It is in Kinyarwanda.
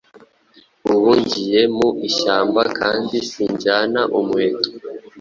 Ubu ngiye mu ishyamba kandi sinjyana umuheto,